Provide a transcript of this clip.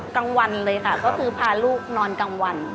กลางวันเลยค่ะก็คือพาลูกนอนกลางวัน